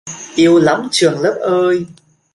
Yêu lắm trường lớp ơi